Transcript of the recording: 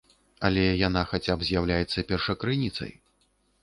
Але яна хаця б з'яўляецца першакрыніцай.